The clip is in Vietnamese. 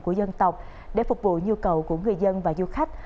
của dân tộc để phục vụ nhu cầu của người dân và du khách